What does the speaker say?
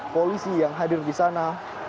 polisi yang hadir di sana